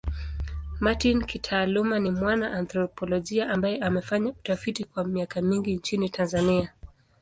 Martin kitaaluma ni mwana anthropolojia ambaye amefanya utafiti kwa miaka mingi nchini Tanzania.